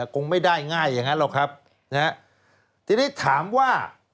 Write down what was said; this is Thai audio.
คงไม่ได้ง่ายอย่างนั้นหรอกครับนะฮะทีนี้ถามว่า